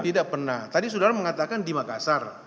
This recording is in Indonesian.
tidak pernah tadi saudara mengatakan di makassar